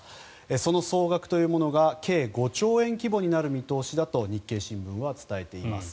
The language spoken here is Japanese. その総額というものが計５兆円規模になる見通しだと日経新聞は伝えています。